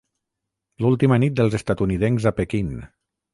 L'última nit dels estatunidencs a Pequín.